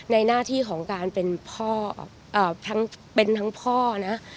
หน้าที่ของการเป็นพ่อทั้งเป็นทั้งพ่อนะ